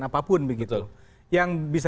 apapun begitu yang bisa